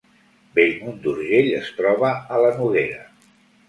Bellmunt d’Urgell es troba a la Noguera